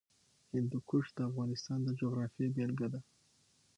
هندوکش د افغانستان د جغرافیې بېلګه ده.